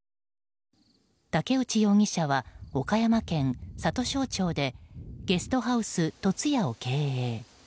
武内容疑者は岡山県里庄町でゲストハウス凸屋を経営。